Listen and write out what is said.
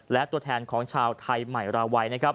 และตัวแทนของชาวไทยใหม่ราวัย